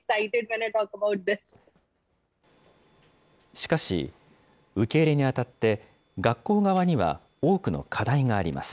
しかし、受け入れにあたって学校側には多くの課題があります。